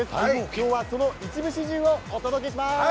今日はその一部始終をお届けします。